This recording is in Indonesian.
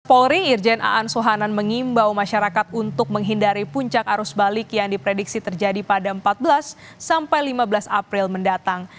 polri irjen aan sohanan mengimbau masyarakat untuk menghindari puncak arus balik yang diprediksi terjadi pada empat belas sampai lima belas april mendatang